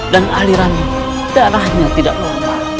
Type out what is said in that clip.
dan aliran darahnya tidak luar